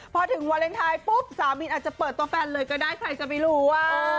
พอถึงวาเลนไทยปุ๊บสาวบินอาจจะเปิดตัวแฟนเลยก็ได้ใครจะไปรู้